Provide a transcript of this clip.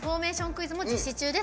クイズも実施中です。